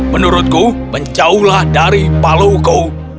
menurutku mencaulah dari paluku